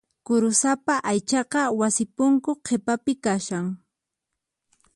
Kurusapa aychaqa wasi punku qhipapi kashan.